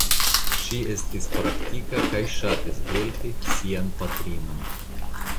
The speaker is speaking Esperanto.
Ŝi estis praktika kaj ŝatis helpi sian patrinon.